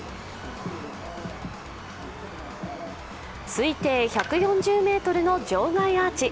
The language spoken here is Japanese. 推定１４０ｍの場外アーチ。